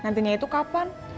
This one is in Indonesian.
nantinya itu kapan